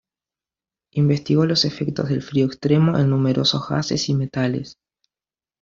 Investigó los efectos del frío extremo en numerosos gases y metales.